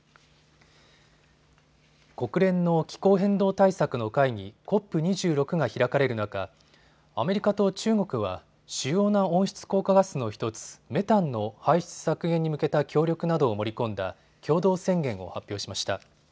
国連の気候変動対策の会議、ＣＯＰ２６が開かれる中、アメリカと中国は主要な温室効果ガスの１つ、メタンの排出削減に向けた協力などを盛り込んだ共同宣言を発表しました。